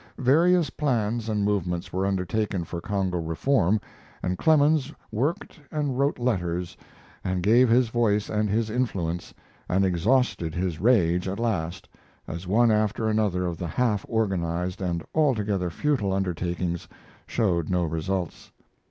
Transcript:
] Various plans and movements were undertaken for Congo reform, and Clemens worked and wrote letters and gave his voice and his influence and exhausted his rage, at last, as one after another of the half organized and altogether futile undertakings showed no results.